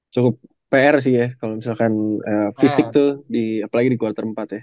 cukup pr sih ya kalau misalkan fisik itu apalagi di quarter empat ya